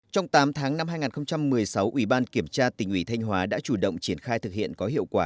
trong tám tháng năm hai nghìn một mươi sáu ủy ban kiểm tra tỉnh ủy thanh hóa đã chủ động triển khai thực hiện có hiệu quả